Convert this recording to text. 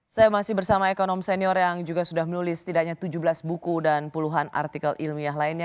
saya masih bersama ekonom senior yang juga sudah menulis setidaknya tujuh belas buku dan puluhan artikel ilmiah lainnya